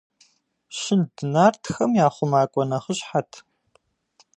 Щынд нартхэм я хъумакӀуэ нэхъыщхьэт.